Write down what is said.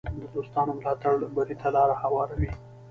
د دوستانو ملاتړ بری ته لار هواروي.